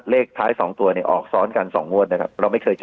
เลขท้าย๒ตัวเนี่ยออกซ้อนกัน๒งวดนะครับเราไม่เคยเจอ